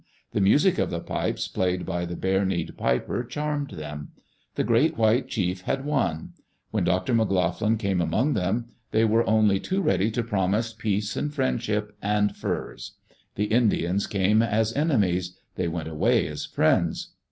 The music of the pipes played by that bare kneed piper charmed them. The great white chief had won. When Dr. McLoughlin came among them, they were only too ready to promise peace and friendship and furs. The Indians came as enemies. They went away as friends.